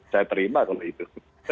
saya terima kalau itu